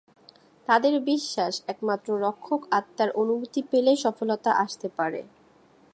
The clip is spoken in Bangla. তাদের বিশ্বাস, একমাত্র রক্ষক আত্মার অনুমতি পেলেই সফলতা আসতে পারে।